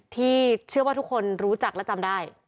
ที่เชื่อว่าทุกคนรู้จักและจำได้